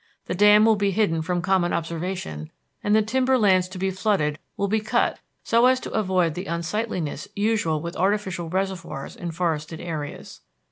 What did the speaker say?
The dam will be hidden from common observation, and the timber lands to be flooded will be cut so as to avoid the unsightliness usual with artificial reservoirs in forested areas.